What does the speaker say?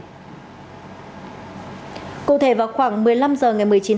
phòng cảnh sát hình sự công an tỉnh vĩnh long phối hợp với công an các đơn vị địa phương